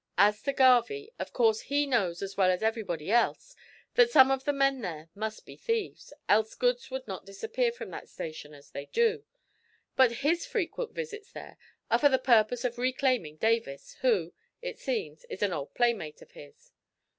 As to Garvie, of course he knows as well as everybody else that some of the men there must be thieves, else goods would not disappear from that station as they do, but his frequent visits there are for the purpose of reclaiming Davis, who, it seems, is an old playmate of his."